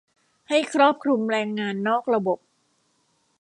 ให้ครอบคลุมแรงงานนอกระบบ